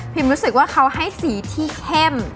รู้สึกว่าเขาให้สีที่เข้ม